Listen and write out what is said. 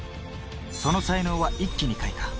その才能は一気に開花。